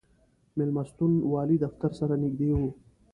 مېلمستون والي دفتر سره نږدې و.